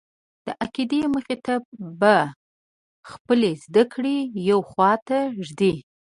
د عقیدې مخې ته به خپلې زده کړې یوې خواته ږدې.